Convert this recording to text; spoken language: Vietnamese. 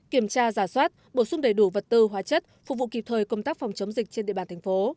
kiểm tra giả soát bổ sung đầy đủ vật tư hóa chất phục vụ kịp thời công tác phòng chống dịch trên địa bàn thành phố